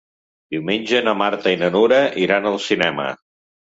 Diumenge na Marta i na Nura iran al cinema.